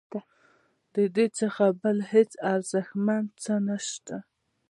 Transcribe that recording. ددې څخه بل هیڅ ارزښتمن څه نشته.